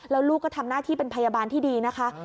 แล้วลูกก็ทำหน้าที่เป็นพยาบาลที่ดีนะคะ